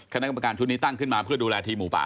คณะกรรมการชุดนี้ตั้งขึ้นมาเพื่อดูแลทีมหมูป่า